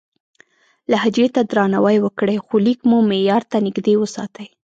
لهجې ته درناوی وکړئ، خو لیک مو معیار ته نږدې وساتئ.